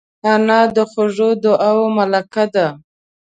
انا د خوږو دعاوو ملکه ده